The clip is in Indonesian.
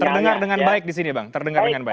terdengar dengan baik di sini bang terdengar dengan baik